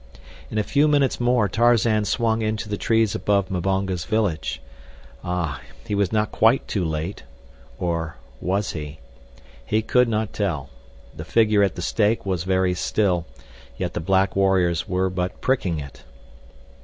In a few minutes more Tarzan swung into the trees above Mbonga's village. Ah, he was not quite too late! Or, was he? He could not tell. The figure at the stake was very still, yet the black warriors were but pricking it.